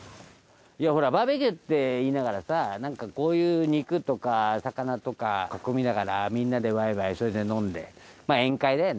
いやほらバーベキューって言いながらさなんかこういう肉とか魚とか囲みながらみんなでワイワイそれで飲んでまあ宴会だよね。